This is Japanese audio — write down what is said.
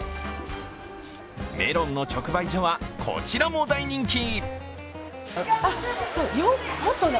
メロンの直売所はこちらも大人気。